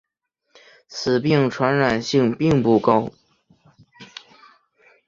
此病传染性并不高。